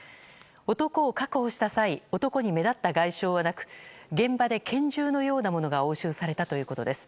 男を確保した際男に目立った外傷はなく現場で拳銃のようなものが押収されたということです。